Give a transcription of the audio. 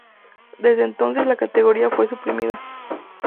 Desde entonces la categoría fue suprimida.